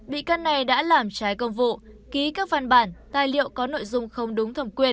bị can này đã làm trái công vụ ký các văn bản tài liệu có nội dung không đúng thẩm quyền